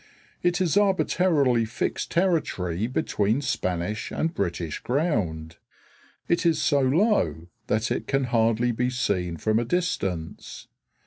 It is arbitrarily fixed territory between Spanish and British ground. It is so low that it can hardly be seen from a distance.